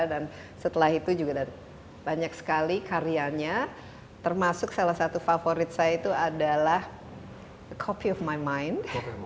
dan setelah itu juga banyak sekali karyanya termasuk salah satu favorit saya itu adalah a copy of my mind